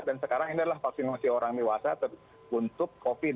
dan sekarang ini adalah vaksinasi orang miwasa untuk covid